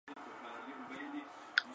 Murió en Stanford, California.